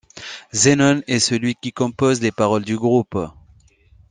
Zenone est celui qui compose les paroles du groupe.